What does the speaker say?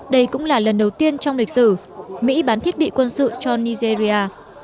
đây cũng là lần đầu tiên trong lịch sử mỹ bán thiết bị quân sự cho nigeria